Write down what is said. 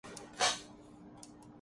وہ اب اس کلام میں ہی ہے۔